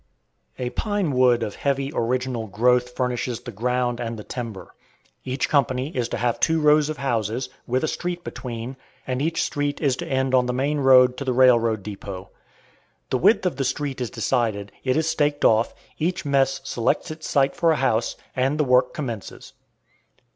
A pine wood of heavy original growth furnishes the ground and the timber. Each company is to have two rows of houses, with a street between, and each street is to end on the main road to the railroad depot. The width of the street is decided; it is staked off; each "mess" selects its site for a house, and the work commences.